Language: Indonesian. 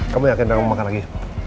kamu yang akan memakai